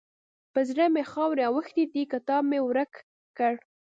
پر زړه مې خاورې اوښتې دي؛ کتاب مې ورک کړ.